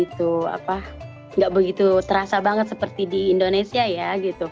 tidak begitu terasa banget seperti di indonesia ya